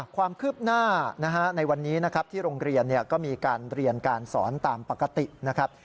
ความคืบหน้าในวันนี้นะครับที่โรงเรียนก็มีการเรียนการสอนตามปกตินะครับ